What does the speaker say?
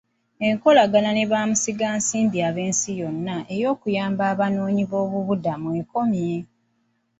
Enkolagana ne bamusiga nsimbi ab'ensi yonna okuyamba abanoonyi b'obubuddamu ekomye.